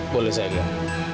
boleh saya lihat